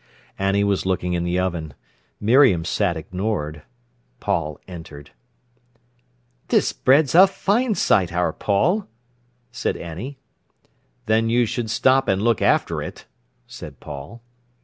Annie was looking in the oven. Miriam sat ignored. Paul entered. "This bread's a fine sight, our Paul," said Annie. "Then you should stop an' look after it," said Paul.